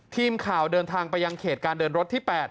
ทีมข่าวเดินทางไปยังเขตการเดินรถที่๘